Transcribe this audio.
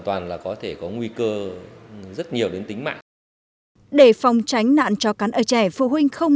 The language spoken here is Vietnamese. toàn là có thể có nguy cơ rất nhiều đến tính mạng để phòng tránh nạn chó cắn ở trẻ phụ huynh không